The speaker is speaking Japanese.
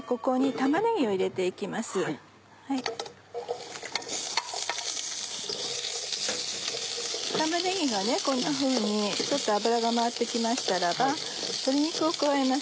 玉ねぎがこんなふうにちょっと油が回って来ましたらば鶏肉を加えます。